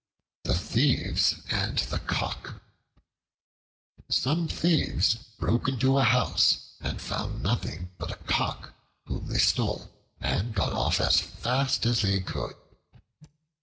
The Thieves and the Cock SOME THIEVES broke into a house and found nothing but a Cock, whom they stole, and got off as fast as they could.